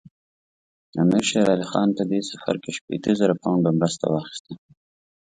امیر شېر علي خان په دې سفر کې شپېته زره پونډه مرسته واخیسته.